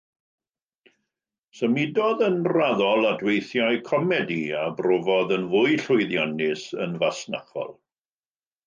Symudodd yn raddol at weithiau comedi, a brofodd yn fwy llwyddiannus yn fasnachol.